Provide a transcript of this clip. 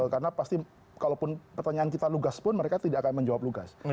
karena pasti kalaupun pertanyaan kita lugas pun mereka tidak akan menjawab lugas